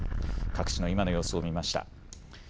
各地の今の様子を見ました。